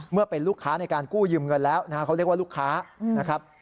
เมื่อเป็นลูกค้าในการกู้ยืมเงินแล้วนะฮะเขาเรียกว่าลูกค้านะครับ